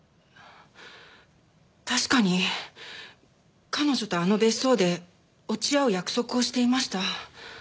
確かに彼女とあの別荘で落ち合う約束をしていました。